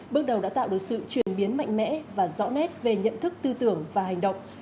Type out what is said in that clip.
bước đầu đã tạo được sự chuyển biến mạnh mẽ và rõ nét về nhận thức tư tưởng và hành động